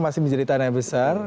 masih menjadi tanah yang besar